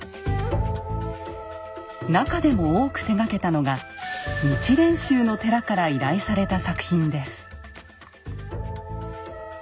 なかでも多く手がけたのが日蓮宗の寺から依頼された作品です。